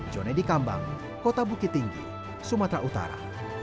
jone di kambang kota bukit tinggi sumatera utara